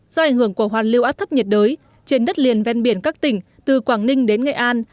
do ảnh hưởng của hoàn lưu áp thấp nhiệt đới trên đất liền ven biển các tỉnh từ quảng ninh đến nghệ an